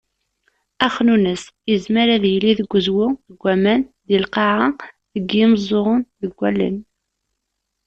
Axnunnes, yezmer ad yili deg uzwu, deg waman, deg lqaεa, deg yimeẓẓuɣen, deg wallen.